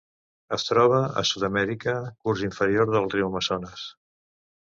Es troba a Sud-amèrica: curs inferior del riu Amazones.